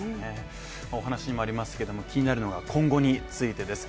お話にもありますけれども気になるのが今後についてです。